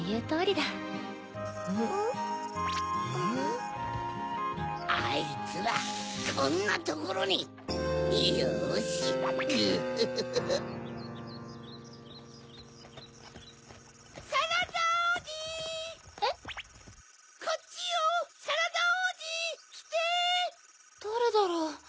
・だれだろう？